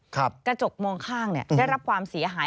กระจกมองข้างเนี่ยได้รับความเสียหาย